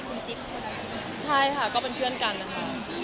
คุณพุนาทตอนนี้คุณการรู้ว่าคุณจิ๊บเลือกต่างกันไหม